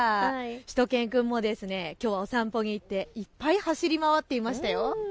しゅと犬くんも、きょうお散歩に行っていっぱい走り回っていましたよ。